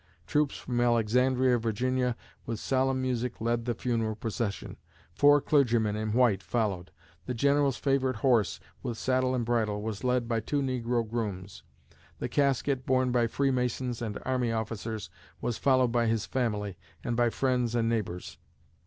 Troops from Alexandria, (Va.) with solemn music led the funeral procession. Four clergymen in white followed. The General's favorite horse, with saddle and bridle, was led by two negro grooms. The casket, borne by Free Masons and army officers, was followed by his family, and by friends and neighbors.